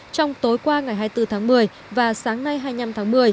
trong tối qua ngày hai mươi bốn tháng một mươi và sáng nay hai mươi năm tháng một mươi